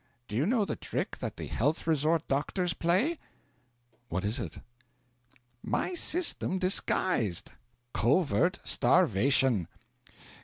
Do you know the trick that the health resort doctors play?' 'What is it?' 'My system disguised covert starvation.